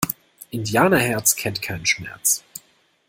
Indianerherz kennt keinen Schmerz!